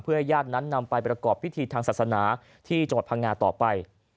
เพื่อให้ญาตินั้นนำไปประกอบพิธีทางศาสนาที่จังหวัดพังงาต่อไป